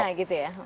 di mana gitu ya